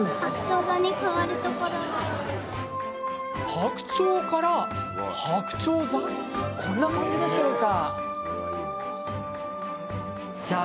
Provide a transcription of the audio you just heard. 白鳥から、はくちょう座こんな感じでしょうか？